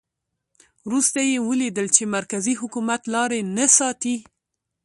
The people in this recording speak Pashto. وروسته یې ولیدل چې مرکزي حکومت لاري نه ساتي.